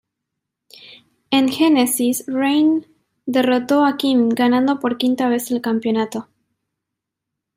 En "Genesis", Rayne derrotó a Kim, ganando por quinta vez el campeonato.